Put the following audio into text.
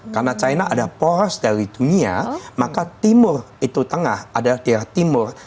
karena china ada poros dari dunia maka timur itu tengah ada di daerah timur